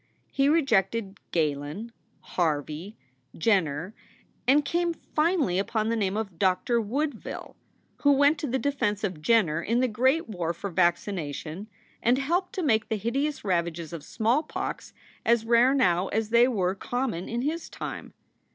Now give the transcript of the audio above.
He rejected Galen, Harvey, Jenner, and came finally upon the name of Doctor Woodville, who went to the defense of Jenner in the great war for vaccination and helped to make the hideous ravages of smallpox as rare now as they were common in his time.